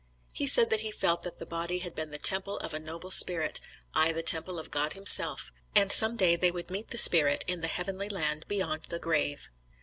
He said that he felt that that body had been the temple of a noble spirit, aye the temple of God himself, and some day they would meet the spirit in the heavenly land beyond the grave.